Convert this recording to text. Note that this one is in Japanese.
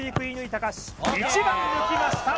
貴士１番抜きました